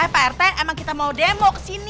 pak rt emang kita mau demo ke sini